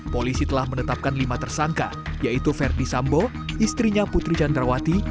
polisi telah menetapkan lima tersangka yaitu verdi sambo istrinya putri candrawati